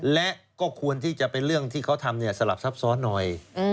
และก็ควรที่จะเป็นเรื่องที่เขาทำสลับซับซ้อนหน่อย